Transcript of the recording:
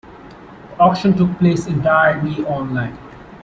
The auction took place entirely online.